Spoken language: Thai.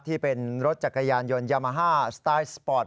ที่เป็นรถจักรยานยนต์ยามาฮ่าสไตล์สปอร์ต